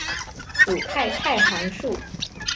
组态态函数。